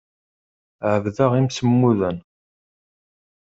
Ɛebdeɣ imsemmuden.